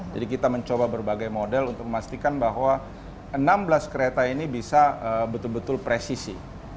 jadi kita mencoba berbagai model untuk memastikan bahwa enam belas kereta ini bisa betul betul presisi